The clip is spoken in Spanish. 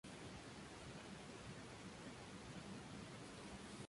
El verde simboliza la aldea de Prati.